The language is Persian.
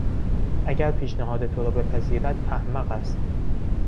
اگر پیشنهاد تو را بپذیرد احمق است.